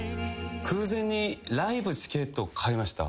偶然にライブチケットを買いました。